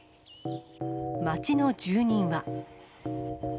町の住人は。